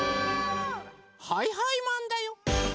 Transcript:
はいはいマンだよ！